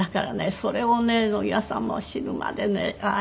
それをね野際さんも死ぬまでねああ